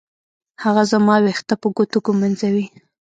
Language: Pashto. هغه زما ويښته په ګوتو ږمنځوي.